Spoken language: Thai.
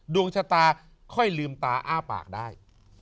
ดวงชะตาค่อยลืมตาอ้าปากได้